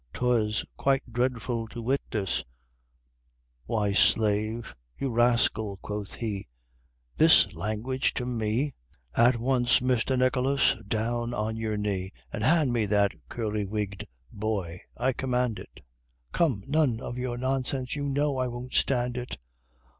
'twas quite dreadful to witness "Why, slave! You rascal!" quoth he, "This language to ME! At once, Mr. Nicholas! down on your knee, And hand me that curly wigged boy! I command it Come! none of your nonsense! you know I won't stand it."